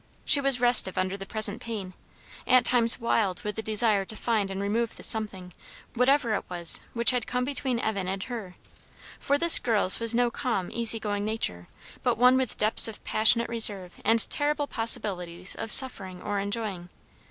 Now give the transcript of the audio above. She was restive under the present pain; at times wild with the desire to find and remove the something, whatever it was, which had come between Evan and her; for this girl's was no calm, easy going nature, but one with depths of passionate reserve and terrible possibilities of suffering or enjoying.